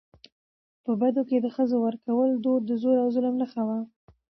په بدو کي د ښځو ورکولو دود د زور او ظلم نښه وه .